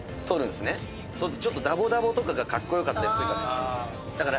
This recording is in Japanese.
そうするとちょっとダボダボとかがかっこよかったりするから。